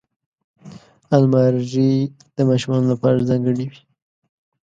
الماري د ماشومانو لپاره ځانګړې وي